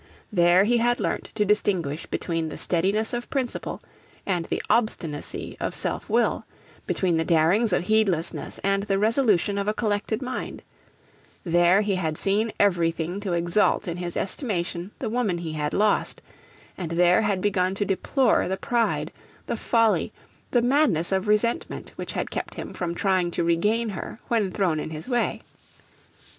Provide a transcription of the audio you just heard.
There he had learnt to distinguish between the steadiness of principle and the obstinacy of self will, between the darings of heedlessness and the resolution of a collected mind; there he had seen everything to exalt in his estimation the woman he had lost, and there had begun to deplore the pride, the folly, the madness of resentment, which had kept him from trying to regain her when thrown in his way.